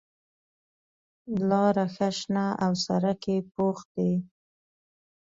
لاره ښه شنه او سړک یې پوخ دی.